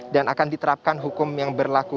dan akan diterapkan hukum yang berlaku